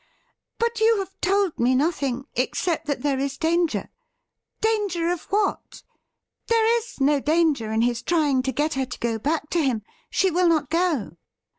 ' But you have told me nothing, except that there is danger. Danger of what ? There is no danger is his try ing to get her to go back to him ; she will not go.'